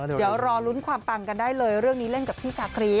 เดี๋ยวรอลุ้นความปังกันได้เลยเรื่องนี้เล่นกับพี่ชาคริส